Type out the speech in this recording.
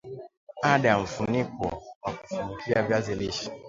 andaa mfuniko wa kufunikia viazi lishe